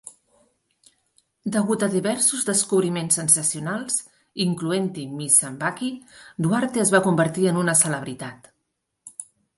Degut a diversos descobriments sensacionals, incloent-hi "Miss Sambaqui", Duarte es va convertir en una celebritat.